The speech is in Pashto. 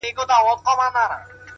د زاړه ښار کوڅې د قدمونو حافظه لري’